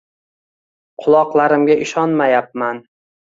Quloqlarimga ishonmayapman